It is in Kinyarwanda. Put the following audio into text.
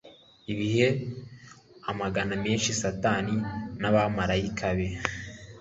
Ibihe amagana menshi Satani n'abamaraika be